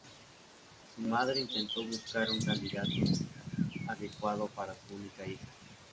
Su madre intentó buscar un candidato adecuado para su única hija.